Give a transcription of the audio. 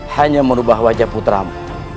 hanya merubah wajah putramu